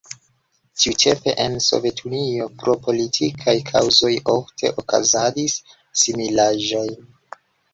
Tiutempe en Sovetunio pro politikaj kaŭzoj ofte okazadis similaĵoj.